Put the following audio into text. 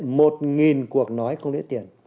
từ thiện một cuộc nói không lấy tiền